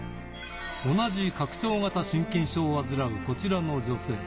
同じ拡張型心筋症を患う、こちらの女性。